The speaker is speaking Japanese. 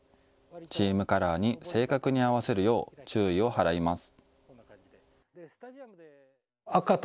チームカラーに正確に合わせるよう注意を払います。